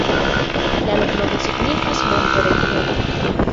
La loknomo signifas: monto-regiono.